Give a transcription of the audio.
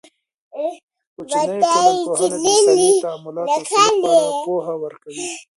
کوچنۍ ټولنپوهنه د انساني تعاملاتو او سلوک په اړه پوهه ورکوي.